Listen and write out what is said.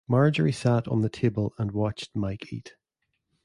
Marjory sat on the table and watched Mike eat.